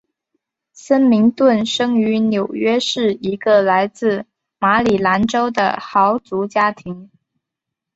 森明顿生于纽约市一个来自于马里兰州的豪族家庭。